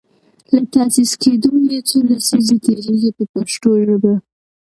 له تاسیس کیدو یې څو لسیزې تیریږي په پښتو ژبه.